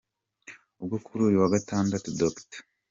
Ubwo kuri uyu wa Gatatu Dr.